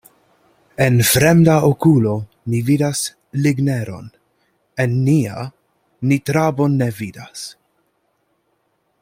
En fremda okulo ni vidas ligneron, en nia ni trabon ne vidas.